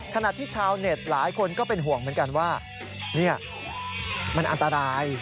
ขณะที่ชาวเน็ตหลายคนก็เป็นห่วงเหมือนกันว่ามันอันตราย